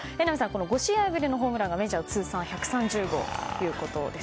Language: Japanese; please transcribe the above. この５試合ぶりのホームランがメジャー通算１３０号ということです。